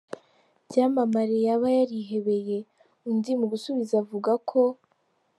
byamamare yaba yarihebeye, undi mu gusubiza avuga ko